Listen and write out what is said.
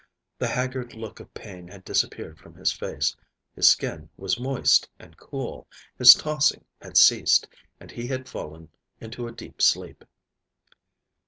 The haggard look of pain had disappeared from his face, his skin was moist and cool, his tossing had ceased, and he had fallen into a deep sleep.